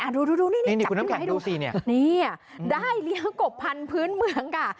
อ่ะดูนี่จับขึ้นมาให้ดูนี่ได้เลี้ยงกบพันธุ์พื้นเมืองก่ะ